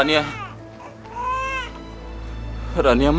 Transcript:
aku tidak bisa melihatmu